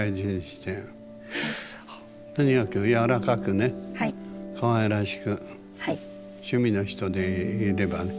とにかく柔らかくねかわいらしく趣味の人でいればね。